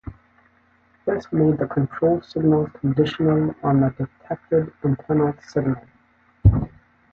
This made the control signals conditional on the detected internal signal.